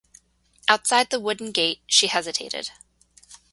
Outside the wooden gate she hesitated.